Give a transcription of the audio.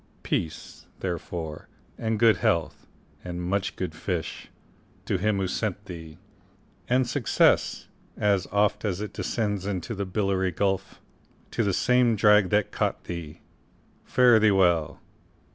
Peace, therefore, and good health, and much good fish, To him who sent thee! and success, as oft As it descends into the billowy gulf, To the same drag that caught thee! Fare thee well!